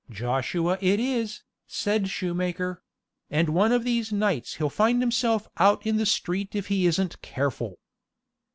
"Joshua it is," said shoemaker; "and one of these nights he'll find himself out in the street if he isn't careful."